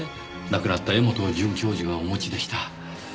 亡くなった柄本准教授がお持ちでした。